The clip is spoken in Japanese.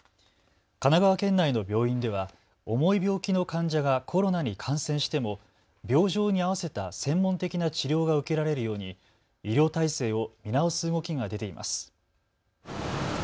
神奈川県内の病院では重い病気の患者がコロナに感染しても病状に合わせた専門的な治療が受けられるように医療体制を見直す動きが出ています。